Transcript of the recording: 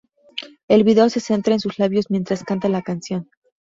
El video se centra en sus labios mientras canta la canción.